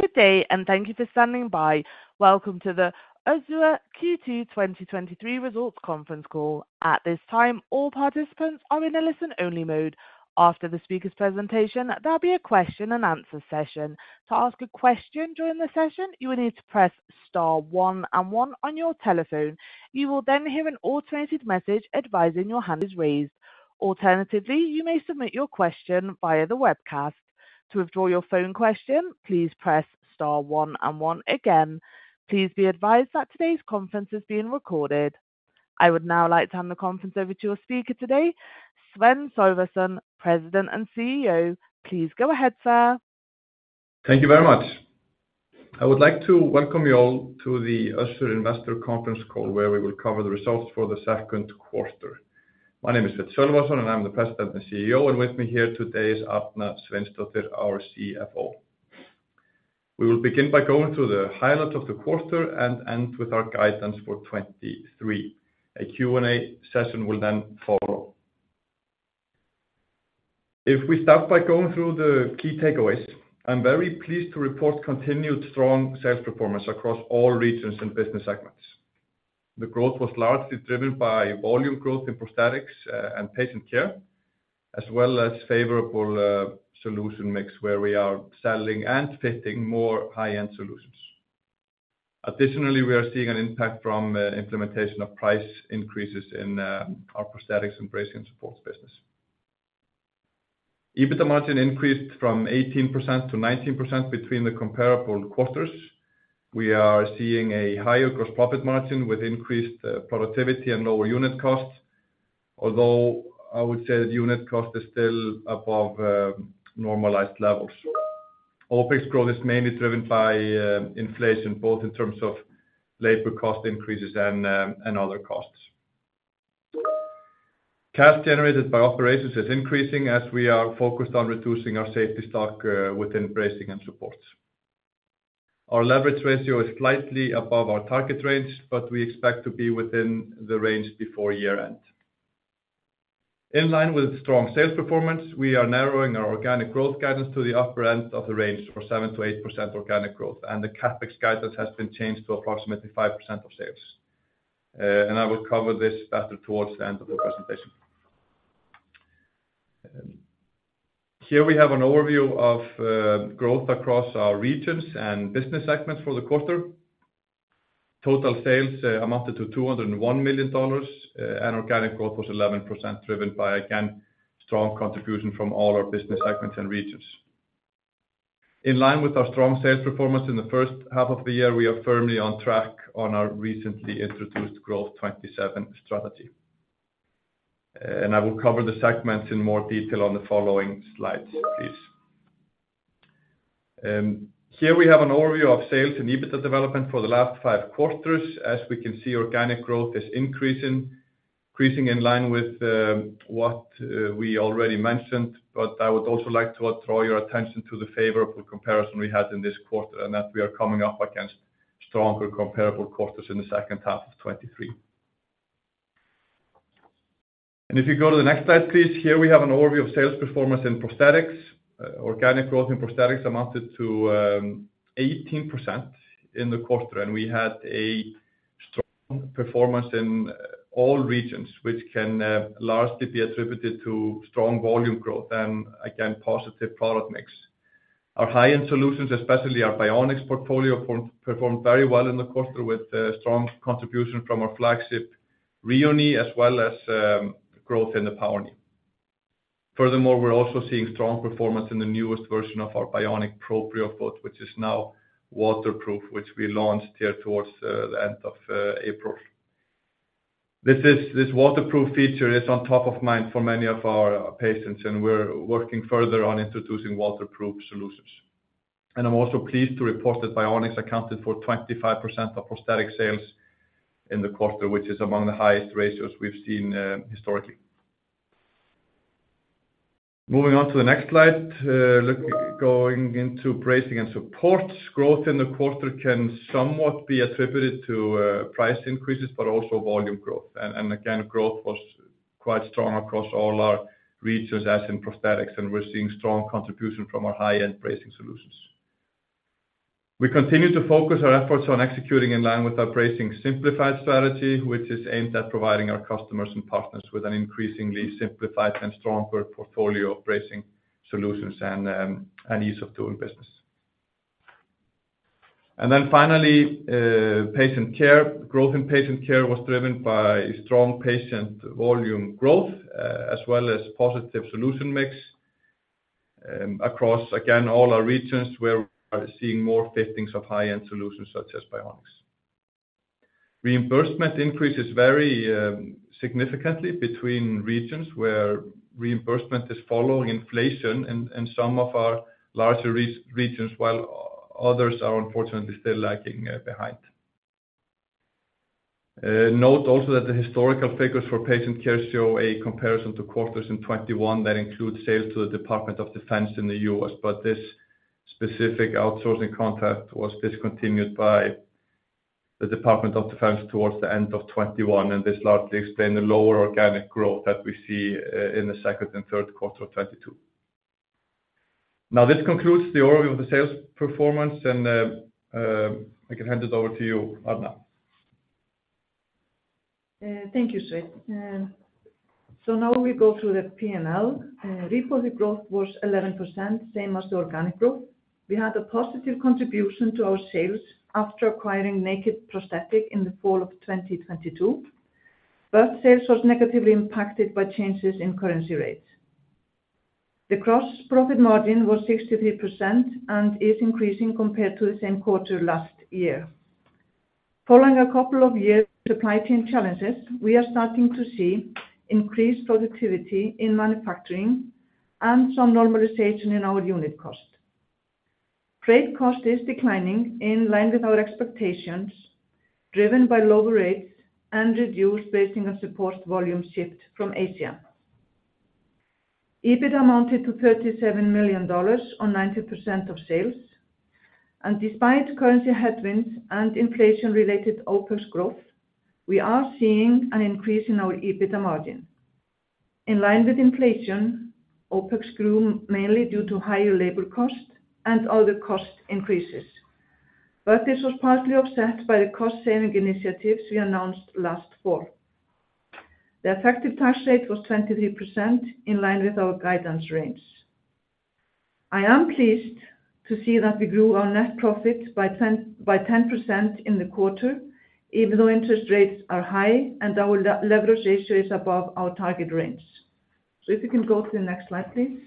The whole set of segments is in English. Good day. Thank you for standing by. Welcome to the Össur Q2 2023 Results Conference Call. At this time, all participants are in a listen-only mode. After the speaker's presentation, there'll be a question and answer session. To ask a question during the session, you will need to press star one and one on your telephone. You will hear an automated message advising your hand is raised. Alternatively, you may submit your question via the webcast. To withdraw your phone question, please press star one and one again. Please be advised that today's conference is being recorded. I would now like to hand the conference over to your speaker today, Sveinn Sölvason, President and CEO. Please go ahead, sir. Thank you very much. I would like to welcome you all to the Össur Investor Conference Call, where we will cover the results for the second quarter. My name is Sveinn Sölvason, and I'm the President and CEO, and with me here today is Arna Sveinsdottir, our CFO. We will begin by going through the highlights of the quarter and end with our guidance for 23. A Q&A session will then follow. If we start by going through the key takeaways, I'm very pleased to report continued strong sales performance across all regions and business segments. The growth was largely driven by volume growth in prosthetics and patient care, as well as favorable solution mix, where we are selling and fitting more high-end solutions. Additionally, we are seeing an impact from implementation of price increases in our prosthetics and Bracing & Supports business. EBITDA margin increased from 18% to 19% between the comparable quarters. We are seeing a higher gross profit margin with increased productivity and lower unit costs, although I would say that unit cost is still above normalized levels. OPEX growth is mainly driven by inflation, both in terms of labor cost increases and other costs. Cash generated by operations is increasing as we are focused on reducing our safety stock within Bracing & Supports. Our leverage ratio is slightly above our target range, but we expect to be within the range before year-end. In line with strong sales performance, we are narrowing our organic growth guidance to the upper end of the range for 7%-8% organic growth, and the CapEx guidance has been changed to approximately 5% of sales. I will cover this better towards the end of the presentation. Here we have an overview of growth across our regions and business segments for the quarter. Total sales amounted to $201 million, and organic growth was 11%, driven by, again, strong contribution from all our business segments and regions. In line with our strong sales performance in the first half of the year, we are firmly on track on our recently introduced Growth 2027 strategy, and I will cover the segments in more detail on the following slides, please. Here we have an overview of sales and EBITDA development for the last five quarters. As we can see, organic growth is increasing in line with what we already mentioned, but I would also like to draw your attention to the favorable comparison we had in this quarter, and that we are coming up against stronger comparable quarters in the second half of 2023. If you go to the next slide, please. Here we have an overview of sales performance in prosthetics. Organic growth in prosthetics amounted to 18% in the quarter, and we had a strong performance in all regions, which can largely be attributed to strong volume growth and again, positive product mix. Our high-end solutions, especially our bionics portfolio, performed very well in the quarter, with strong contribution from our flagship Rheo Knee, as well as growth in the Power Knee. Furthermore, we're also seeing strong performance in the newest version of our bionic Proprio Foot, which is now waterproof, which we launched here towards the end of April. This waterproof feature is on top of mind for many of our patients, and we're working further on introducing waterproof solutions. I'm also pleased to report that bionics accounted for 25% of prosthetic sales in the quarter, which is among the highest ratios we've seen historically. Moving on to the next slide, going into bracing and supports. Growth in the quarter can somewhat be attributed to price increases, but also volume growth. Again, growth was quite strong across all our regions, as in prosthetics, and we're seeing strong contribution from our high-end bracing solutions. We continue to focus our efforts on executing in line with our Bracing Simplified strategy, which is aimed at providing our customers and partners with an increasingly simplified and stronger portfolio of bracing solutions and ease of doing business. Finally, patient care. Growth in patient care was driven by strong patient volume growth, as well as positive solution mix, across, again, all our regions, where we are seeing more fittings of high-end solutions such as bionics. Reimbursement increases very significantly between regions, where reimbursement is following inflation in some of our larger regions, while others are unfortunately still lagging behind. Note also that the historical figures for patient care show a comparison to quarters in 2021 that includes sales to the Department of Defense in the U.S., this specific outsourcing contract was discontinued by... the Department of Defense towards the end of 2021, this largely explain the lower organic growth that we see in the second and third quarter of 2022. This concludes the overview of the sales performance, I can hand it over to you, Arna. Thank you, Sveinn. Now we go through the PNL. Revenue growth was 11%, same as the organic growth. We had a positive contribution to our sales after acquiring Naked Prosthetics in the fall of 2022, sales was negatively impacted by changes in currency rates. The gross profit margin was 63% and is increasing compared to the same quarter last year. Following a couple of years supply chain challenges, we are starting to see increased productivity in manufacturing and some normalization in our unit cost. Trade cost is declining in line with our expectations, driven by lower rates and reduced bracing and support volume shipped from Asia. EBITDA amounted to $37 million on 90% of sales, despite currency headwinds and inflation-related OpEx growth, we are seeing an increase in our EBITDA margin. In line with inflation, OpEx grew mainly due to higher labor cost and other cost increases, but this was partly offset by the cost-saving initiatives we announced last fall. The effective tax rate was 23%, in line with our guidance range. I am pleased to see that we grew our net profit by 10% in the quarter, even though interest rates are high and our leverage ratio is above our target range. If you can go to the next slide, please.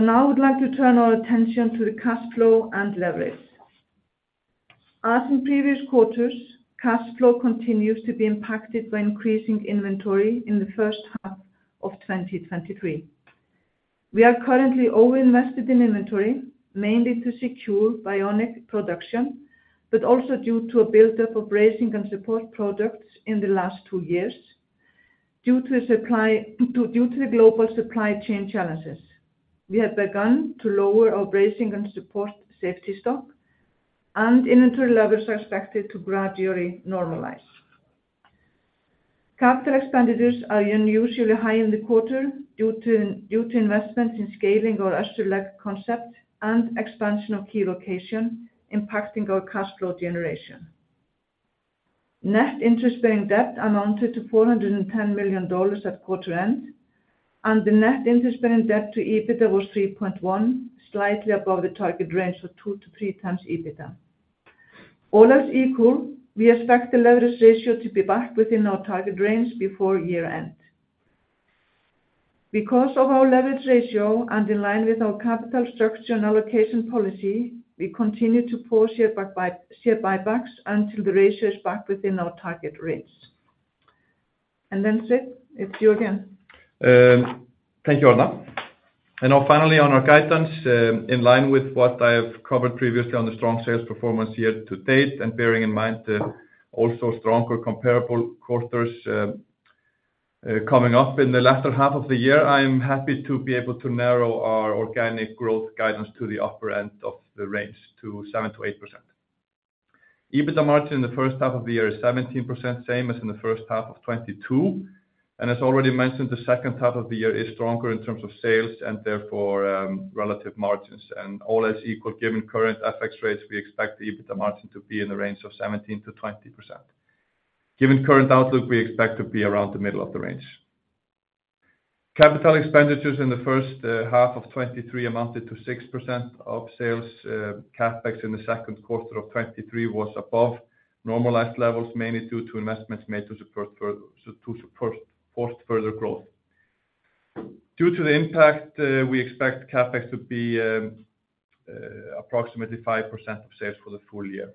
Now I would like to turn our attention to the cash flow and leverage. As in previous quarters, cash flow continues to be impacted by increasing inventory in the first half of 2023. We are currently over-invested in inventory, mainly to secure bionic production, but also due to a buildup of bracing and support products in the last two years, due to the global supply chain challenges. We have begun to lower our bracing and support safety stock. Inventory levels are expected to gradually normalize. Capital expenditures are unusually high in the quarter due to investments in scaling our Össur Log concept and expansion of key location, impacting our cash flow generation. Net interest-bearing debt amounted to $410 million at quarter end. The net interest-bearing debt to EBITDA was 3.1, slightly above the target range of 2 to 3 times EBITDA. All else equal, we expect the leverage ratio to be back within our target range before year-end. Because of our leverage ratio and in line with our capital structure and allocation policy, we continue to pause share buybacks until the ratio is back within our target range. Sveinn, it's you again. Thank you, Arna. Now finally, on our guidance, in line with what I have covered previously on the strong sales performance year to date, and bearing in mind the also stronger comparable quarters coming up in the latter half of the year, I am happy to be able to narrow our organic growth guidance to the upper end of the range to 7%-8%. EBITDA margin in the first half of the year is 17%, same as in the first half of 2022. As already mentioned, the second half of the year is stronger in terms of sales and therefore, relative margins. All else equal, given current FX rates, we expect the EBITDA margin to be in the range of 17%-20%. Given current outlook, we expect to be around the middle of the range. Capital expenditures in the first half of 2023 amounted to 6% of sales. CapEx in the second quarter of 2023 was above normalized levels, mainly due to investments made to support further growth. Due to the impact, we expect CapEx to be approximately 5% of sales for the full year.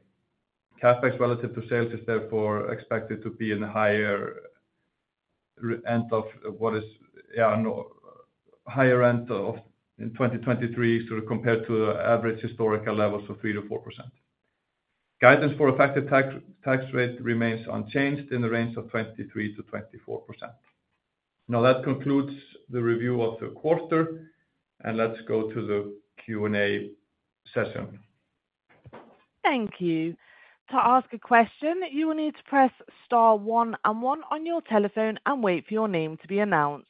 CapEx relative to sales is therefore expected to be in the higher end of in 2023, so compared to the average historical levels of 3%-4%. Guidance for effective tax rate remains unchanged in the range of 23%-24%. That concludes the review of the quarter, and let's go to the Q&A session. Thank you. To ask a question, you will need to press star one and one on your telephone and wait for your name to be announced.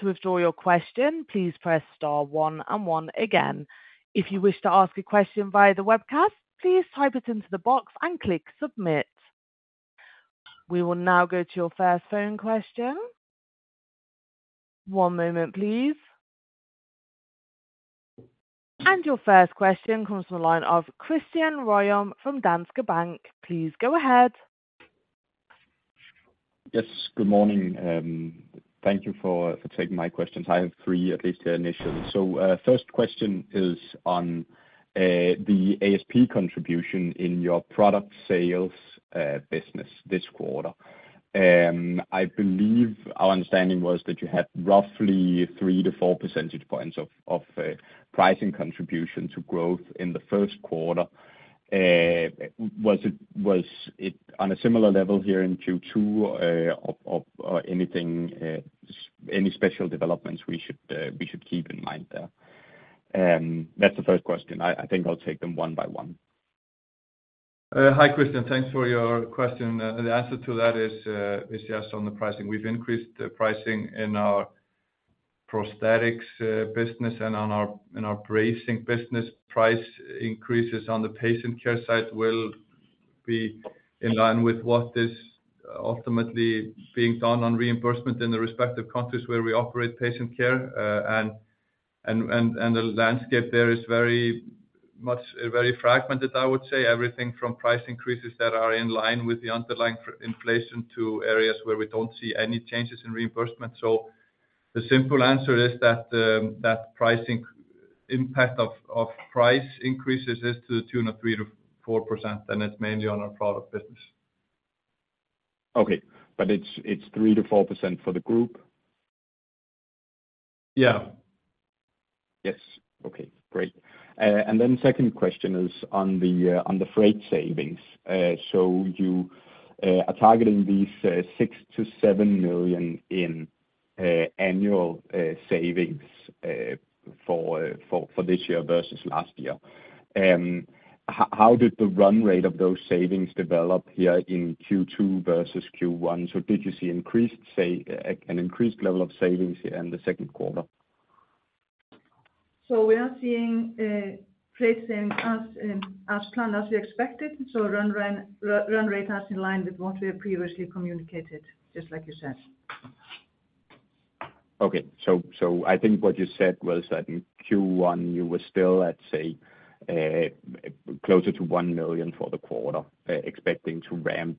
To withdraw your question, please press star one and one again. If you wish to ask a question via the webcast, please type it into the box and click Submit. We will now go to your first phone question. One moment, please. Your first question comes from the line of Tobias Nissen from Danske Bank. Please go ahead. Yes, good morning. Thank you for taking my questions. I have 3, at least initially. First question is on the ASP contribution in your product sales business this quarter. I believe our understanding was that you had roughly 3-4 percentage points of pricing contribution to growth in the first quarter. Was it on a similar level here in Q2, of anything, any special developments we should keep in mind there? That's the first question. I think I'll take them one by one. Hi, Tobias. Thanks for your question. The answer to that is yes, on the pricing. We've increased the pricing in our prosthetics business and on our, in our bracing business. Price increases on the patient care side will be in line with what is ultimately being done on reimbursement in the respective countries where we operate patient care. And the landscape there is very much, very fragmented, I would say. Everything from price increases that are in line with the underlying inflation to areas where we don't see any changes in reimbursement. The simple answer is that pricing, impact of price increases is to the tune of 3%-4%, and it's mainly on our product business. Okay. It's 3%-4% for the group? Yeah. Yes. Okay, great. Second question is on the freight savings. You are targeting these $6 million-$7 million in annual savings for this year versus last year. How did the run rate of those savings develop here in Q2 versus Q1? Did you see an increased level of savings here in the second quarter? We are seeing pricing as planned, as we expected. Run rate is in line with what we have previously communicated, just like you said. Okay. I think what you said was that in Q1, you were still at, say, closer to $1 million for the quarter, expecting to ramp,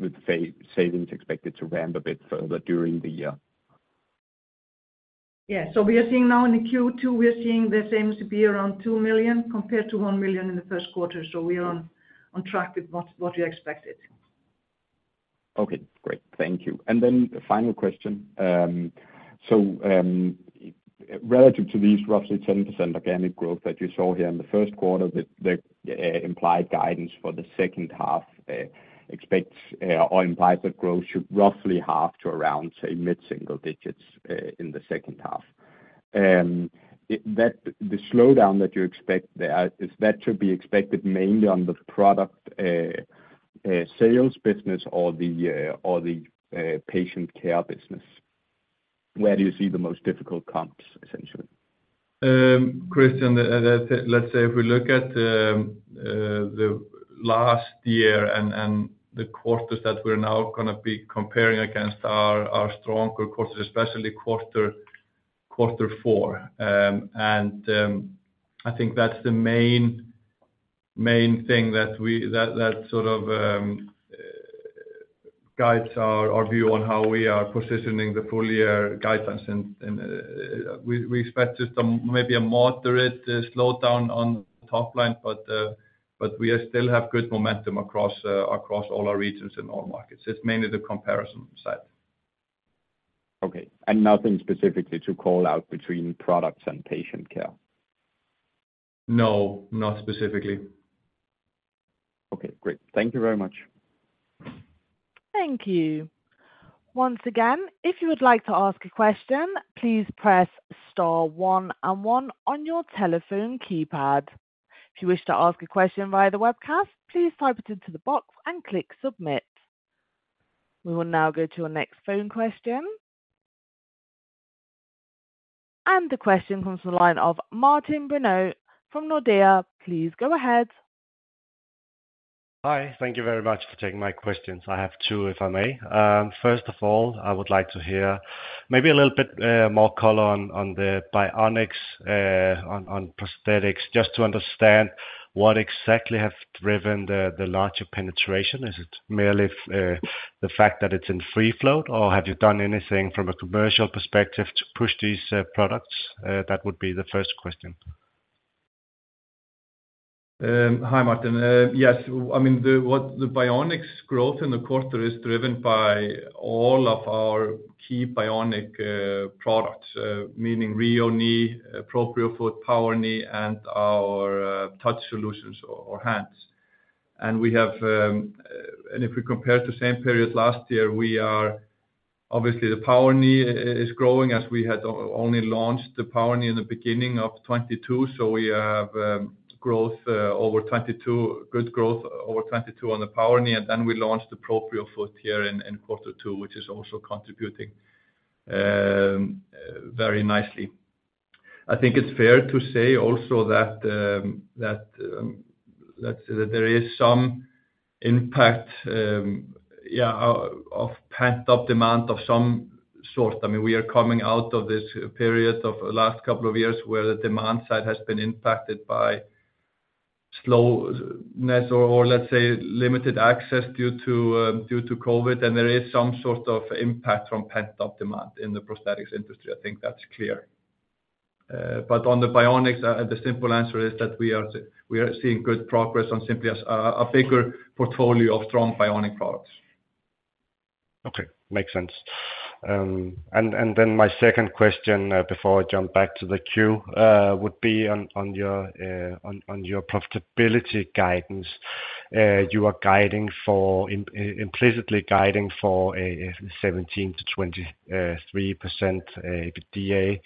with savings expected to ramp a bit further during the year. Yeah. We are seeing now in the Q2, we are seeing the same to be around $2 million compared to $1 million in the first quarter. We are on track with what you expected. Okay, great. Thank you. The final question. Relative to these roughly 10% organic growth that you saw here in the first quarter, the implied guidance for the second half expects or implies that growth should roughly half to around, say, mid-single digits in the second half. The slowdown that you expect there, is that to be expected mainly on the product sales business or the patient care business? Where do you see the most difficult comps, essentially? Tobias, let's say if we look at the last year and the quarters that we're now going to be comparing against are stronger quarters, especially quarter four. I think that's the main thing that sort of guides our view on how we are positioning the full year guidance. We expect just a maybe a moderate slowdown on top line, but we still have good momentum across all our regions and all markets. It's mainly the comparison side. Okay. Nothing specifically to call out between products and patient care? No, not specifically. Okay, great. Thank you very much. Thank you. Once again, if you would like to ask a question, please press star one and one on your telephone keypad. If you wish to ask a question via the webcast, please type it into the box and click Submit. We will now go to our next phone question. The question comes from the line of Martin Brenøe from Nordea. Please go ahead. Hi. Thank you very much for taking my questions. I have two, if I may. First of all, I would like to hear maybe a little bit more color on the bionics, on prosthetics, just to understand what exactly have driven the larger penetration. Is it merely the fact that it's in free float, or have you done anything from a commercial perspective to push these products? That would be the first question. Hi, Martin. Yes, I mean, what the bionics growth in the quarter is driven by all of our key bionic products, meaning Rheo Knee, Proprio Foot, Power Knee, and our Touch Solutions or hands. We have, if we compare to the same period last year, we are. Obviously, the Power Knee is growing, as we had only launched the Power Knee in the beginning of 2022. We have growth over 2022, good growth over 2022 on the Power Knee. We launched the Proprio Foot here in quarter two, which is also contributing very nicely. I think it's fair to say also that there is some impact of pent-up demand of some sort. I mean, we are coming out of this period of last couple of years, where the demand side has been impacted by slowness or let's say, limited access due to COVID. There is some sort of impact from pent-up demand in the prosthetics industry. I think that's clear. On the bionics, the simple answer is that we are seeing good progress on simply as a bigger portfolio of strong bionic products. Okay. Makes sense. Then my second question, before I jump back to the queue, would be on your profitability guidance.... you are guiding for implicitly guiding for a 17%-23% EBITDA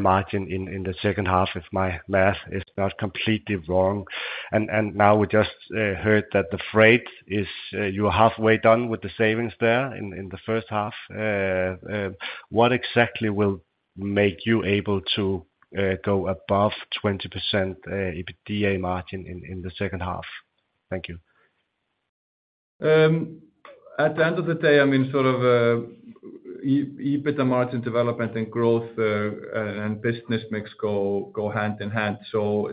margin in the second half, if my math is not completely wrong. Now we just heard that the freight is, you are halfway done with the savings there in the first half. What exactly will make you able to go above 20% EBITDA margin in the second half? Thank you. At the end of the day, I mean, sort of, EBITDA margin development and growth, and business mix go hand in hand.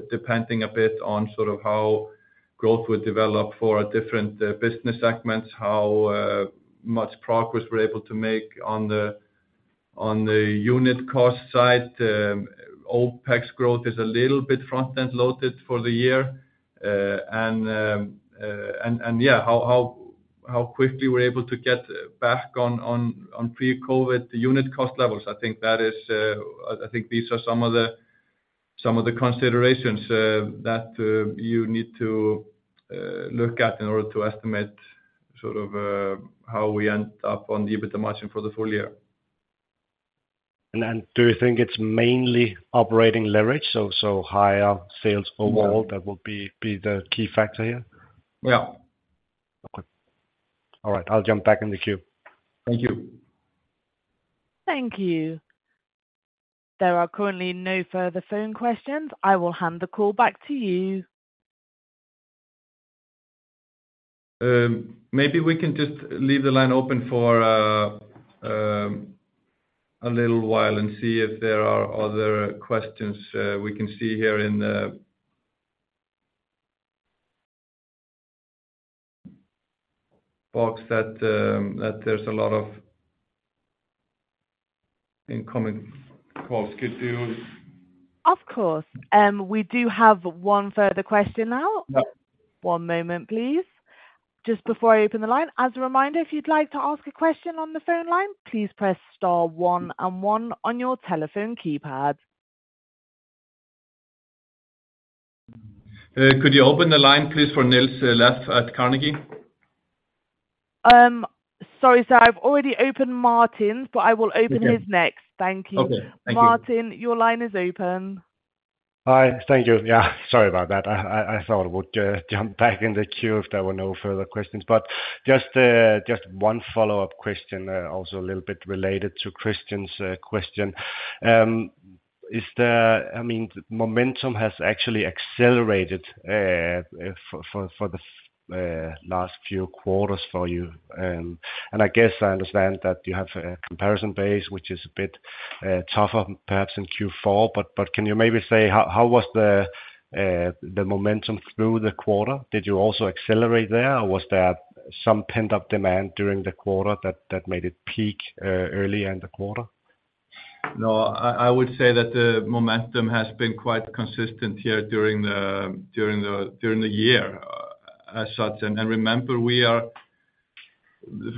Depending a bit on sort of how growth will develop for our different business segments, how much progress we're able to make on the unit cost side, OPEX growth is a little bit front-end loaded for the year. Yeah, how quickly we're able to get back on pre-COVID unit cost levels. I think that is, I think these are some of the considerations that you need to look at in order to estimate sort of how we end up on the EBITDA margin for the full year. Do you think it's mainly operating leverage, so higher sales overall- Yeah. that will be the key factor here? Yeah. Okay. All right. I'll jump back in the queue. Thank you. Thank you. There are currently no further phone questions. I will hand the call back to you. Maybe we can just leave the line open for a little while and see if there are other questions. We can see here in the box that there's a lot of incoming calls scheduled. Of course. We do have one further question now. Yeah. One moment, please. Just before I open the line, as a reminder, if you'd like to ask a question on the phone line, please press star one and one on your telephone keypad. Could you open the line, please, for Niels Granholm-Leth at Carnegie? Sorry, sir, I've already opened Martin's, but I will open his next. Okay. Thank you. Okay. Thank you. Martin, your line is open. Hi. Thank you. Yeah, sorry about that. I thought I would jump back in the queue if there were no further questions, but just one follow-up question also a little bit related to Tobias's question. I mean, momentum has actually accelerated for the last few quarters for you. I guess I understand that you have a comparison base, which is a bit tougher perhaps in Q4, but can you maybe say how was the momentum through the quarter? Did you also accelerate there, or was there some pent-up demand during the quarter that made it peak early in the quarter? No, I would say that the momentum has been quite consistent here during the year as such. Remember,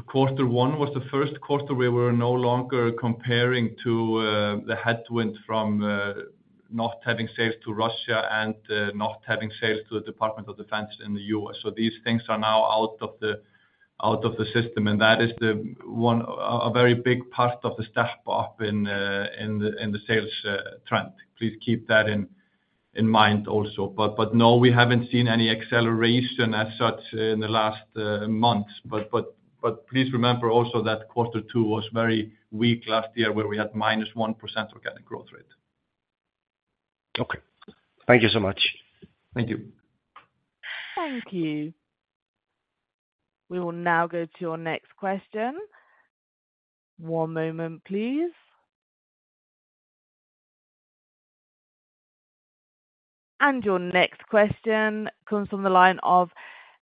Quarter one was the first quarter we were no longer comparing to the headwind from not having sales to Russia and not having sales to the Department of Defense in the U.S. These things are now out of the system, and that is one, a very big part of the step up in the sales trend. Please keep that in mind also. No, we haven't seen any acceleration as such in the last months. Please remember also that quarter two was very weak last year, where we had -1% organic growth rate. Okay. Thank you so much. Thank you. Thank you. We will now go to our next question. One moment, please. Your next question comes from the line of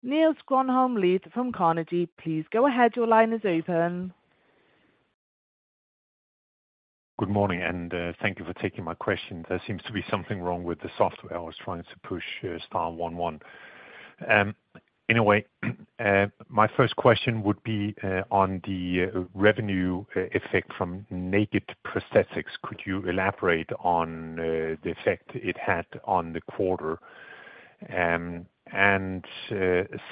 Niels Granholm-Leth, lead from Carnegie. Please go ahead. Your line is open. Good morning. Thank you for taking my question. There seems to be something wrong with the software. I was trying to push star 1. Anyway, my first question would be on the revenue effect from Naked Prosthetics. Could you elaborate on the effect it had on the quarter?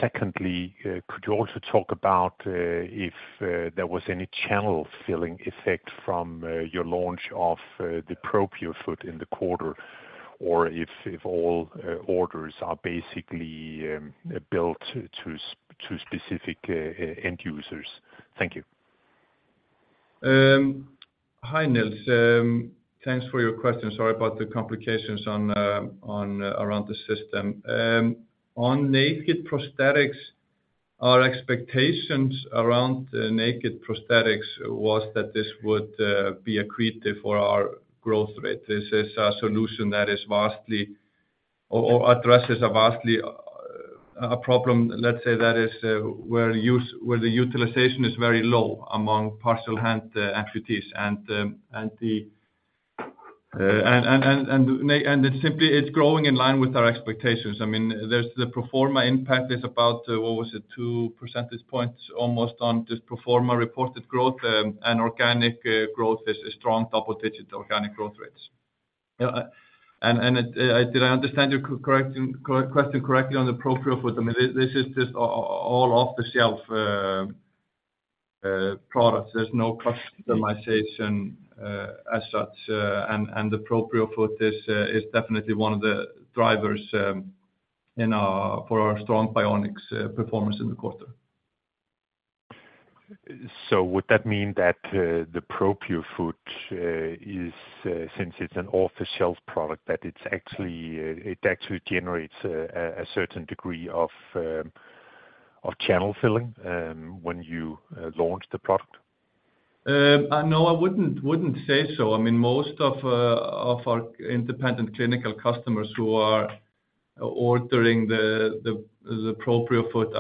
Secondly, could you also talk about if there was any channel filling effect from your launch of the Proprio Foot in the quarter, or if all orders are basically built to specific end users? Thank you. Hi, Niels. Thanks for your question. Sorry about the complications around the system. On Naked Prosthetics, our expectations around Naked Prosthetics was that this would be accretive for our growth rate. This is a solution that is vastly or addresses a vastly a problem, let's say, that is where the utilization is very low among partial hand amputees. It simply, it's growing in line with our expectations. I mean, there's the pro forma impact is about, what was it? 2 percentage points, almost on just pro forma reported growth, and organic growth is a strong double-digit organic growth rates. Yeah, did I understand your question correctly on the Proprio Foot? I mean, this is just all off the shelf products. There's no customization as such, and the Proprio Foot is definitely one of the drivers for our strong bionics performance in the quarter. Would that mean that the Proprio Foot is since it's an off-the-shelf product that it actually generates a certain degree of channel filling when you launch the product? No, I wouldn't say so. I mean, most of our independent clinical customers who are ordering the Proprio Foot,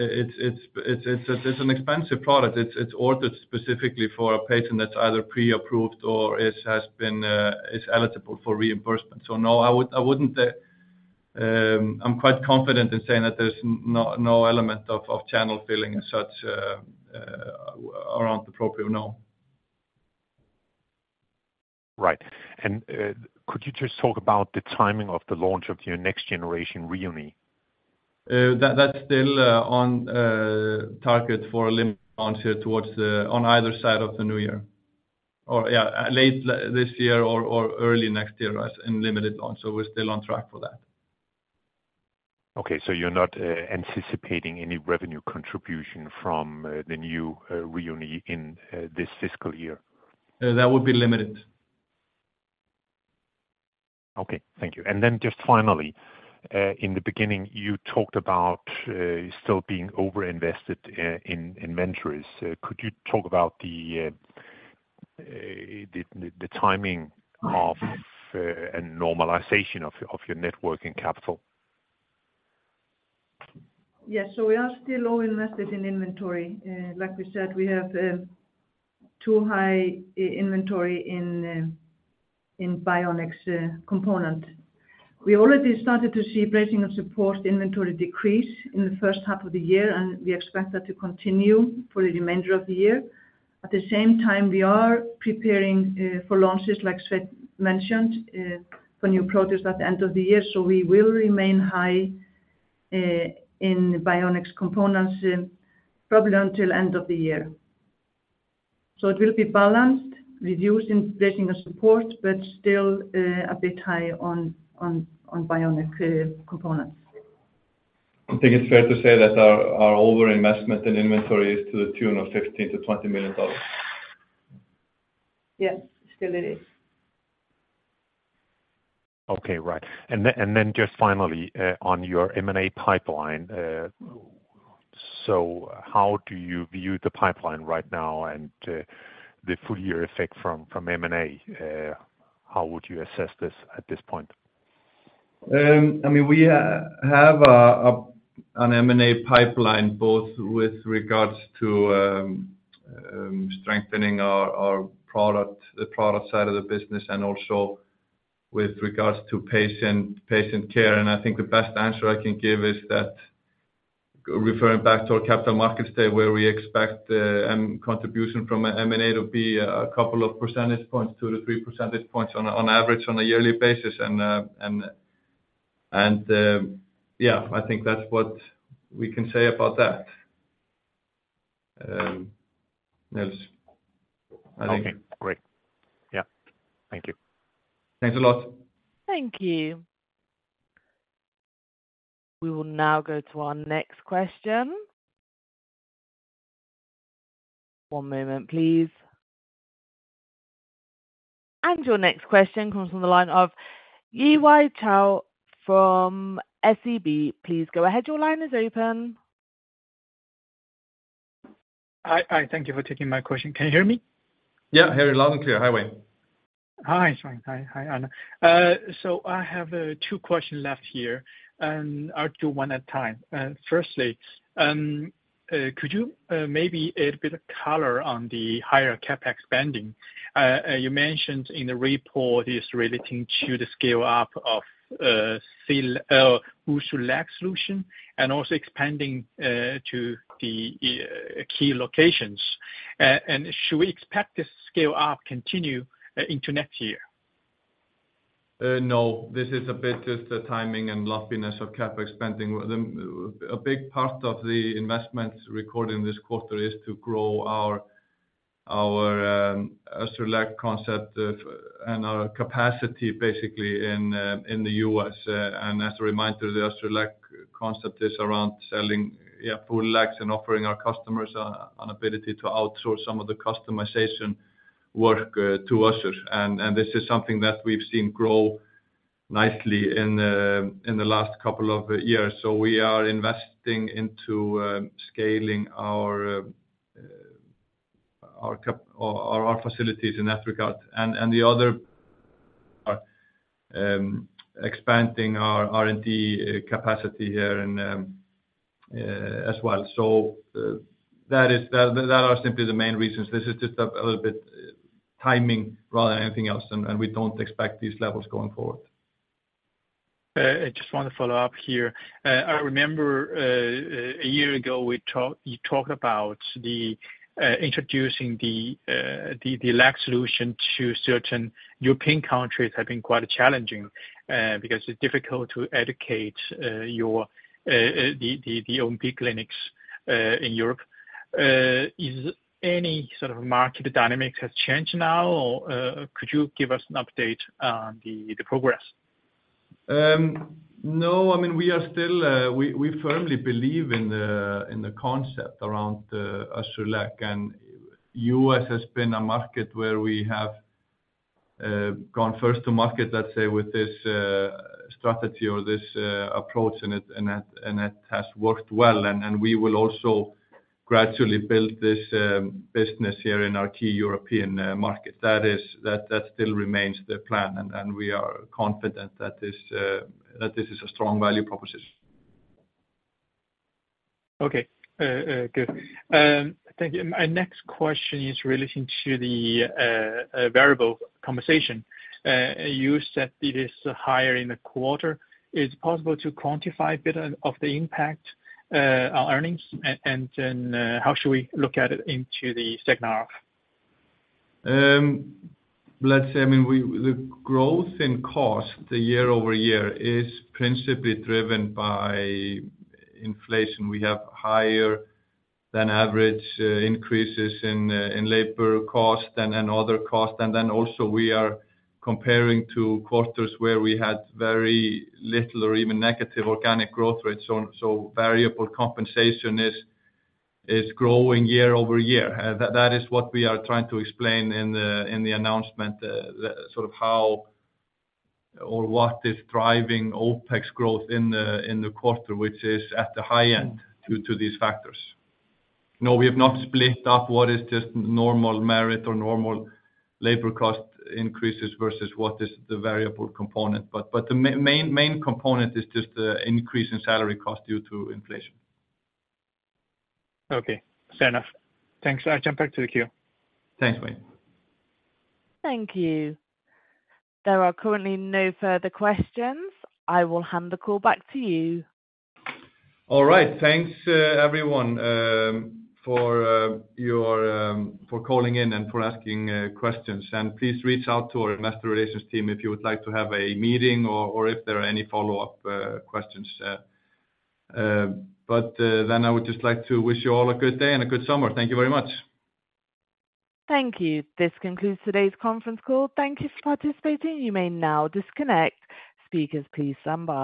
it's an expensive product. It's ordered specifically for a patient that's either pre-approved or it has been eligible for reimbursement. No, I would, I wouldn't, I'm quite confident in saying that there's no element of channel filling as such around the Proprio, no. Right. Could you just talk about the timing of the launch of your next generation Rheo Knee? That's still on target for a limited launch here on either side of the new year, or yeah, late this year or early next year, as in limited launch. We're still on track for that. Okay. You're not anticipating any revenue contribution from the new Rheo Knee in this fiscal year? That would be limited. Okay, thank you. Just finally, in the beginning, you talked about still being over-invested in inventories. Could you talk about the timing of and normalization of your networking capital? Yes. We are still over-invested in inventory. Like we said, we have too high inventory in bionics component. We already started to see Bracing & Supports inventory decrease in the first half of the year, and we expect that to continue for the remainder of the year. At the same time, we are preparing for launches, like Sveinn mentioned, for new products at the end of the year. We will remain high in bionics components probably until end of the year. It will be balanced, reduced in Bracing & Supports, but still a bit high on bionic components. I think it's fair to say that our over-investment in inventory is to the tune of $15 million-$20 million. Yes, still it is. Okay, right. Then just finally, on your M&A pipeline, how do you view the pipeline right now and the full year effect from M&A? How would you assess this at this point? I mean, we have an M&A pipeline, both with regards to strengthening our product, the product side of the business, and also with regards to patient care. I think the best answer I can give is that referring back to our capital markets day, where we expect contribution from M&A to be a couple of percentage points, 2-3 percentage points on average, on a yearly basis. Yeah, I think that's what we can say about that. Yes. I think Okay, great. Yeah. Thank you. Thanks a lot. Thank you. We will now go to our next question. One moment, please. Your next question comes from the line of Yiwei Zhou from SEB. Please go ahead. Your line is open. Hi. Thank you for taking my question. Can you hear me? I hear you loud and clear. Hi, Yiwei. Hi, Sveinn. Hi, Arna. I have two questions left here, and I'll do one at a time. Firstly, could you maybe add a bit of color on the higher CapEx spending? You mentioned in the report is relating to the scale-up of Össur leg solution and also expanding to the key locations. Should we expect this scale up continue into next year? No, this is a bit just the timing and lumpiness of CapEx spending. The, a big part of the investments recorded this quarter is to grow our Össur Leg concept of, and our capacity basically in the U.S. As a reminder, the Össur Leg concept is around selling, yeah, full legs and offering our customers a, an ability to outsource some of the customization work to us. This is something that we've seen grow nicely in the last couple of years. We are investing into scaling our facilities in that regard. The other expanding our R&D capacity here as well. That are simply the main reasons. This is just a little bit timing rather than anything else, and we don't expect these levels going forward. I just want to follow up here. I remember a year ago, you talked about the introducing the Leg solution to certain European countries have been quite challenging, because it's difficult to educate your the OB clinics in Europe. Is any sort of market dynamics has changed now, or could you give us an update on the progress? No. I mean, we are still, we firmly believe in the concept around Össur Leg, U.S. has been a market where we have gone first to market, let's say, with this strategy or this approach, and it has worked well. We will also gradually build this business here in our key European market. That is, that still remains the plan, we are confident that this is a strong value proposition. Okay. Good. Thank you. My next question is relating to the variable compensation. You said it is higher in the quarter. Is it possible to quantify a bit of the impact on earnings? How should we look at it into the second half? Let's say, I mean, the growth in cost, the year-over-year, is principally driven by inflation. We have higher than average increases in labor cost and other costs. Also we are comparing to quarters where we had very little or even negative organic growth rates, so variable compensation is growing year-over-year. That is what we are trying to explain in the announcement, the sort of how or what is driving OpEx growth in the quarter, which is at the high end, due to these factors. No, we have not split up what is just normal merit or normal labor cost increases versus what is the variable component. The main component is just the increase in salary cost due to inflation. Okay, fair enough. Thanks. I'll jump back to the queue. Thanks, Wei. Thank you. There are currently no further questions. I will hand the call back to you. All right. Thanks, everyone, for calling in and for asking questions. Please reach out to our investor relations team if you would like to have a meeting or if there are any follow-up questions, I would just like to wish you all a good day and a good summer. Thank you very much. Thank you. This concludes today's conference call. Thank you for participating. You may now disconnect. Speakers, please stand by.